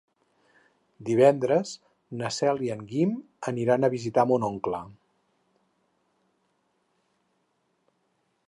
Divendres na Cel i en Guim aniran a visitar mon oncle.